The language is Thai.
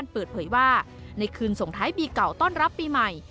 เปิดเผยว่าในคืนส่งท้ายปีเก่าต้อนรับปีใหม่